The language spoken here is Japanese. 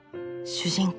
主人公